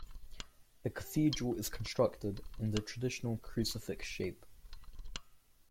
The cathedral is constructed in the traditional crucifix shape.